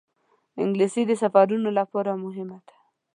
انګلیسي د سفرونو لپاره مهمه ده